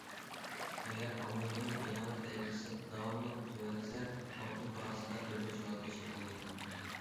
ئەگەر ئامېرىكىنىڭ ئىناۋەت دەرىجىسى داۋاملىق تۆۋەنلىسە ئالتۇن باھاسىدا ئۆرلەش ھالىتى شەكىللىنىشى مۇمكىن.